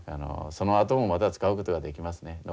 そのあともまた使うことができますね。